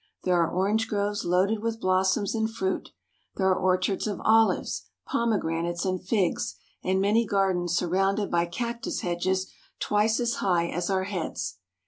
There are orange groves loaded with blossoms and fruit. There are orchards of olives, pomegranates, and figs, and many gardens surrounded by cactus hedges twice as high as our heads.